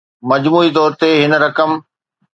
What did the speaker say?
مجموعي طور تي هن رقم